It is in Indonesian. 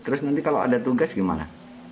terus nanti kalau ada tugas gimana